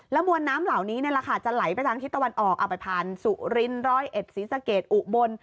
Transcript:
แล้วมวลน้ำเหล่านี้นะคะจะไหลไปทางทิศตะวันออกเอาไปผ่านสุริน๑๐๑ศิษฐ์เกษอุบล